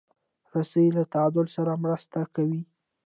رسۍ له تعادل سره مرسته کوي.